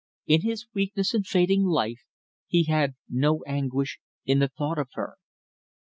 In his weakness and fading life he had no anguish in the thought of her.